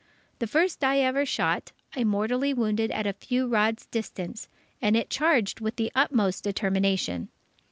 The first I ever shot, I mortally wounded at a few rods' distance, and it charged with the utmost determination.